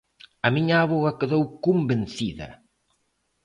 A miña avoa quedou convencida.